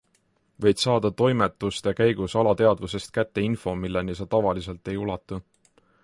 Võid saada toimetuste käigus alateadvusest kätte info, milleni sa tavaliselt ei ulatu.